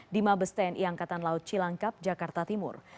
di mabes tni angkatan laut cilangkap jakarta timur